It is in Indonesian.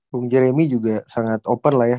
bung jeremy juga sangat open lah ya